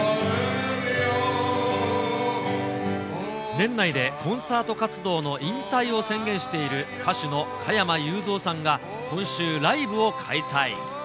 年内でコンサート活動の引退を宣言している歌手の加山雄三さんが、今週、ライブを開催。